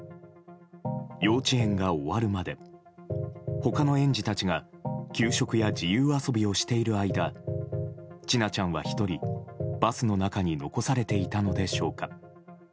幼稚園が終わるまで他の園児たちが給食や自由遊びをしている間千奈ちゃんは１人、バスの中に残されていたのでしょうか。